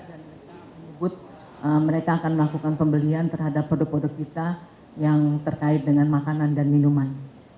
dan mereka akan melakukan pembelian terhadap produk produk kita yang terkait dengan makanan dan minuman